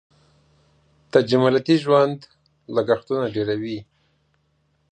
تجملاتي ژوند لګښتونه ډېروي.